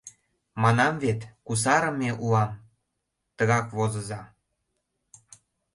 Манам вет — кусарыме улам... тыгак возыза.